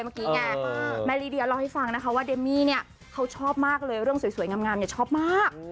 มารีเดียรอให้ฟังนะคะว่าเดมมี่เนี่ยเขาชอบมากเลยเรื่องสวยงามเนี่ยชอบมาก